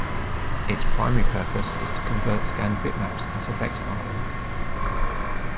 Its primary purpose is to convert scanned bitmaps into vector artwork.